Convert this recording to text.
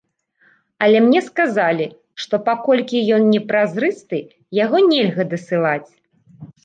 Але мне сказалі, што, паколькі ён не празрысты, яго нельга дасылаць.